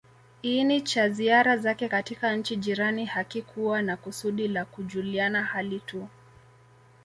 iini cha ziara zake katika nchi jirani hakikuwa na kusudi la kujuliana hali tu